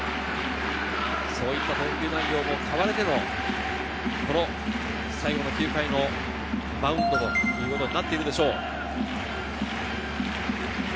そういった内容も買われてのこの最後の９回のマウンドということになっていくでしょう。